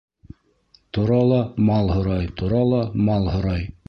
Тора ла мал һорай, тора ла мал һорай.